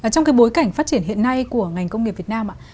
trong cái bối cảnh phát triển hiện nay của ngành công nghiệp việt nam ạ